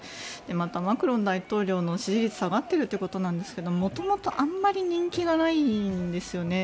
マクロン大統領の支持率が下がってるということですが元々、あまり人気がないんですよね。